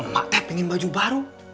mak teh pingin baju baru